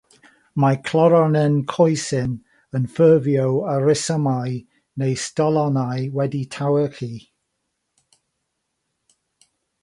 Mae cloronen coesyn yn ffurfio o risomau neu stolonau wedi tewychu.